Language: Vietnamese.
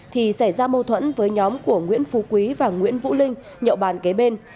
thì xảy ra mâu thuẫn với nhóm của nguyễn phú quý và nguyễn vũ linh nhậu bàn kế bên